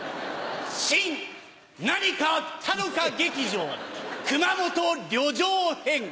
新・何かあったのか劇場熊本旅情編。